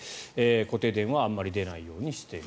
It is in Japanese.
固定電話はあまり出ないようにしている。